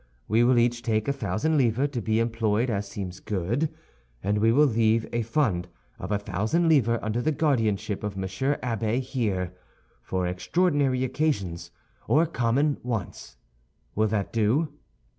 We will each take a thousand livres to be employed as seems good, and we will leave a fund of a thousand livres under the guardianship of Monsieur Abbé here, for extraordinary occasions or common wants. Will that do?"